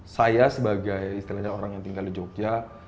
saya sebagai istilahnya orang yang tinggal di jogja